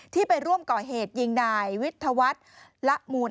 ไปร่วมก่อเหตุยิงนายวิทยาวัฒน์ละมูล